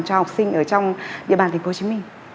cho học sinh ở trong địa bàn thành phố hồ chí minh